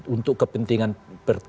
untuk kepentingan partai partai